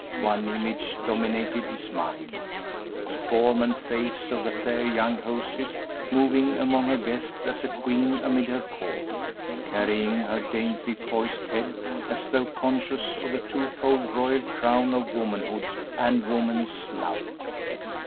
One image dominated his mind, the form and face of the fair young hostess moving among her guests as a queen amid her court, carrying her daintily poised head as though conscious of the twofold royal crown of womanhood and woman's love.